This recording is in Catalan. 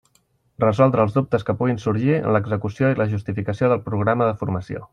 Resoldre els dubtes que puguin sorgir en l'execució i la justificació del programa de formació.